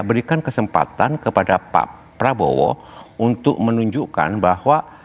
berikan kesempatan kepada pak prabowo untuk menunjukkan bahwa